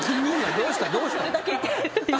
どうした？